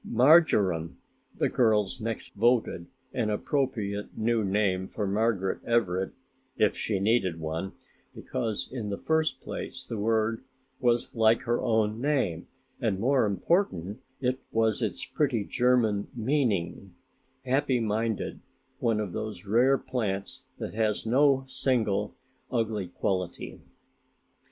"Marjoram" the girls next voted an appropriate new name for Margaret Everett if she needed one, because in the first place the word was like her own name and more important was its pretty German meaning, "happy minded", one of those rare plants that has no single ugly quality.